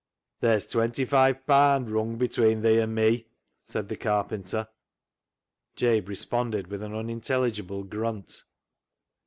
" There's twenty five paand wrung between thee an' me," said the carpenter Jabe responded with an unintelligible grunt.